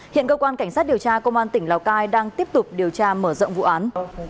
hiện cơ quan cảnh sát điều tra công an tỉnh lào cai đang tiếp tục điều tra mở rộng vụ án